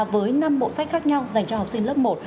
với năm bộ sách khác nhau dành cho học sinh lớp một